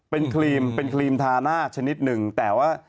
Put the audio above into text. เป็นครีมเป็นครีมทาหน้าชนิดหนึ่งแต่ว่า